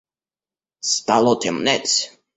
Стало темнеть.